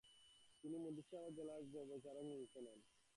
তিনি মুর্শিদাবাদ জেলার বিচারক নিযুক্ত হন।